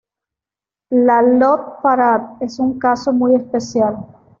La Love Parade es un caso muy especial.